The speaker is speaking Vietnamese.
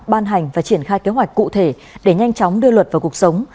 ban hành và triển khai kế hoạch cụ thể để nhanh chóng đưa luật vào cuộc sống